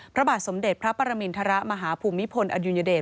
พระบาทสมเด็จพระปรมินทรมาฮภูมิพลอดุญเดช